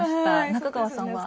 中川さんは？